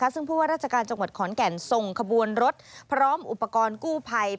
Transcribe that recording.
ซึ่งผู้ว่าราชการจังหวัดขอนแก่นส่งขบวนรถพร้อมอุปกรณ์กู้ภัย